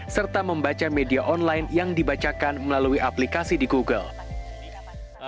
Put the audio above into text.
serta membaca media online yang dibacakan melalui aplikasi di google